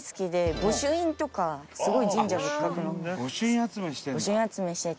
御朱印集めしてて。